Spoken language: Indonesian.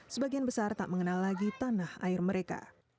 sebagian besar tak mengenal lagi tanah air mereka